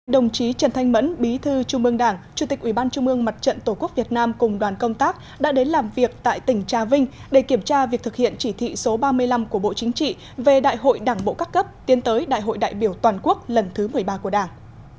đồng chí trần thanh mẫn bí thư trung ương đảng chủ tịch ủy ban trung ương mặt trận tổ quốc việt nam cùng đoàn công tác đã đến làm việc tại tỉnh trà vinh để kiểm tra việc thực hiện chỉ thị số ba mươi năm của bộ chính trị về đại hội đảng bộ các cấp tiến tới đại hội đại biểu toàn quốc lần thứ một mươi ba của đảng